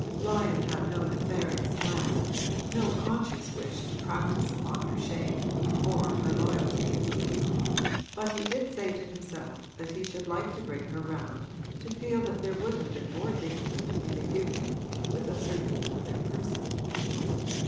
Lyon had no nefarious plan, no conscious wish to practise upon her shame or her loyalty; but he did say to himself that he should like to bring her round to feel that there would have been more dignity in a union with a certain other person.